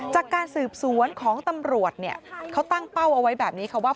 จากการสืบสวนของตำรวจเนี่ยเขาตั้งเป้าเอาไว้แบบนี้ค่ะว่า